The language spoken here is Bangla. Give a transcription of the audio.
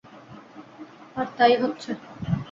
আর তাই হচ্ছে।